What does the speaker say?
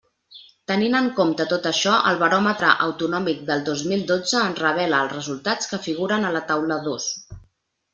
Tenint en compte tot això, el baròmetre autonòmic del dos mil dotze ens revela els resultats que figuren a la taula dos.